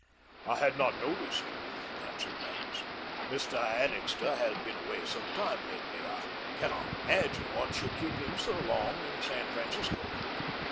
"I had not noticed," answered Magnus. "Mr. Annixter has been away some time lately. I cannot imagine what should keep him so long in San Francisco."